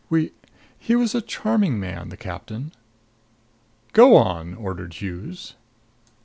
We he was a charming man, the captain " "Go on!" ordered Hughes.